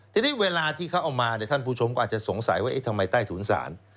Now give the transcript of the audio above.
ทีนี้เวลาที่เขาเอามาท่านผู้ชมก็อาจจะสงสัยว่าทำไมใต้ถุนศาล